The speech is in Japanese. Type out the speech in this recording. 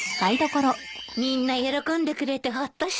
みんな喜んでくれてホッとしたわ。